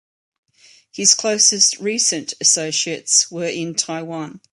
His closest recent associates were in Taiwan.